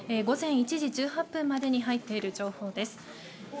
午前１時１８分までに入っている情報です。